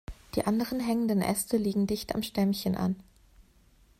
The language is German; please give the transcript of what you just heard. Die anderen hängenden Äste liegen dicht am Stämmchen an.